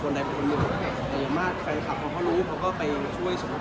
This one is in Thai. จะจัดตั้งเป็นมูลนิธีอะไรแบบนี้ที่เป็นเกียรติศาสตร์เลยไม๊คะ